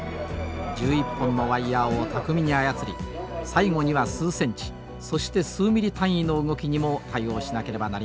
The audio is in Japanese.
１１本のワイヤーを巧みに操り最後には数センチそして数ミリ単位の動きにも対応しなければなりません。